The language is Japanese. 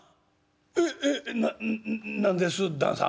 「えっえ何です？旦さん」。